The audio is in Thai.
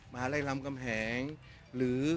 มหาลัยลำกำแหงหรือ